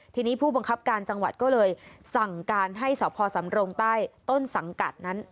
ทีนี้ผู้บังคับการจังหวัดก็เลยสั่งการให้สพสำรงใต้ต้นสังกัดนั้น